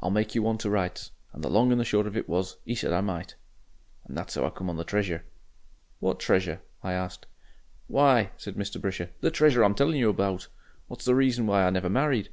'I'll make you one to rights.' And the long and the short of it was, he said I might. "And that's 'ow I come on the treasure." "What treasure?" I asked. "Why!" said Mr. Brisher, "the treasure I'm telling you about, what's the reason why I never married."